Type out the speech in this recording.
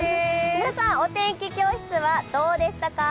皆さん、お天気教室はどうでしたか？